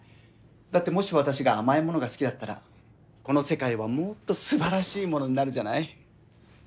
だってもし私が甘いものが好きだったらこの世界はもっと素晴らしいものになるじゃない？